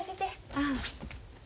ああ。